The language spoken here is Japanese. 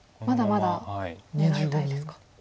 まだまだ狙いたいですか。